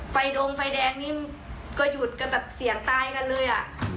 ดงไฟแดงนี่ก็หยุดกันแบบเสี่ยงตายกันเลยอ่ะ